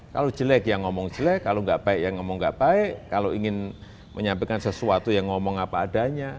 kalau jelek ya ngomong jelek kalau nggak baik ya ngomong nggak baik kalau ingin menyampaikan sesuatu yang ngomong apa adanya